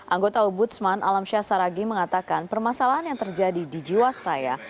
anggota ombudsman alam syah saragi mengatakan permasalahan yang terjadi di jiwasraya